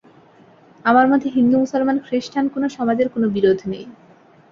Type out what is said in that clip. আমার মধ্যে হিন্দু মুসলমান খৃস্টান কোনো সমাজের কোনো বিরোধ নেই।